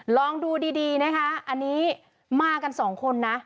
ลองดูดีนะคะอันนี้มากันสองคนนะ